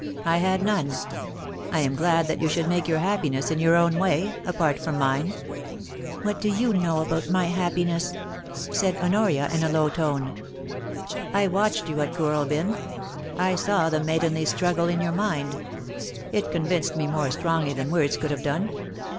I had none. I am glad that you should make your happiness in your own way — apart from mine.* * What do you know about my happiness ?* said Honoria, in a low tone. *I watched you at Kooralbyn. I saw the maidenly struggle in your mind — it convinced me more strongly than words could have done.